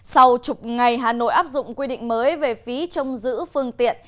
sau chục ngày hà nội áp dụng quy định mới về phí trông giữ phương tiện